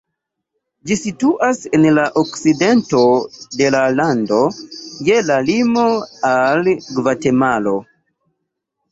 Ĝi situas en la okcidento de la lando, je la limo al Gvatemalo.